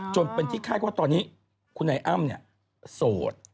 จนเป็นที่คาดว่าตอนนี้คุณนายอ้ำโสด